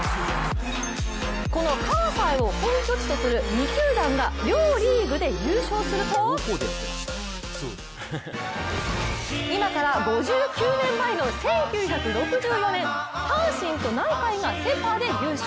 この関西を本拠地とする２球団が両リーグで優勝すると、今から５９年前の１９６４年阪神と南海がセ・パで優勝。